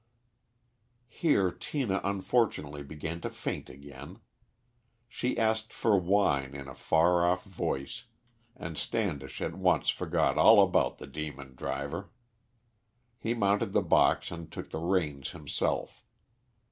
Here Tina unfortunately began to faint again. She asked for wine in a far off voice, and Standish at once forgot all about the demon driver. He mounted the box and took the reins himself.